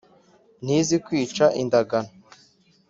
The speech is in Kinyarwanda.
Ntizi kwica indagano